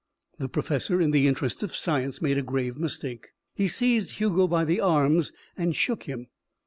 The professor, in the interests of science, made a grave mistake. He seized Hugo by the arms and shook him.